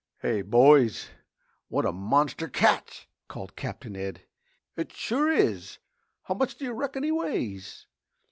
"Hey, boys! What a monster catch!" called Captain Ed. "It sure is! How much do you reckon he weighs?"